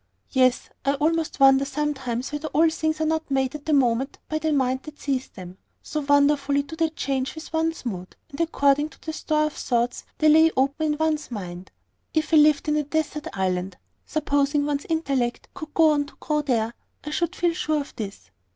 "Yes; I almost wonder sometimes whether all things are not made at the moment by the mind that sees them, so wonderfully do they change with one's mood, and according to the store of thoughts they lay open in one's mind. If I lived in a desert island (supposing one's intellect could go on to grow there), I should feel sure of this."